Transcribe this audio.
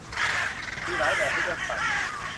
มีหลายแบบให้เลือกสรร